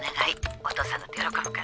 お父さんだって喜ぶから。